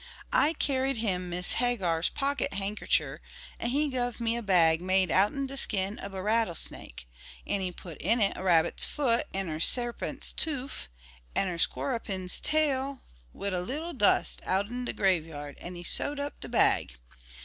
"I carried him Miss Hagar's pocket hankercher and he guv me a bag made outen de skin ob a rattlesnake, an' he put in it a rabbit's foot an' er sarpint's toof, an' er squorerpin's tail wid a leetle dust outen de graveyard an' he sewed up de bag.